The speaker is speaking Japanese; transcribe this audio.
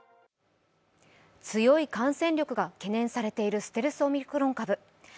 強い感染力が懸念されているステルスオミクロン株。